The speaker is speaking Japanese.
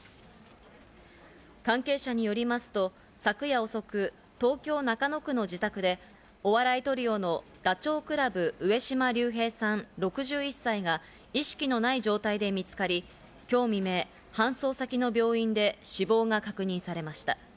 関係者によりますと昨夜遅く東京・中野区の自宅でお笑いトリオのダチョウ倶楽部、上島竜兵さん６１歳が意識のない状態で見つかり、今日未明、搬送先の病院で死亡が確認されました。